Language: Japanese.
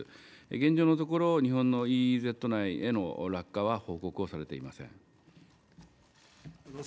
現状のところ、日本のＥＥＺ内への落下は報告はされていません。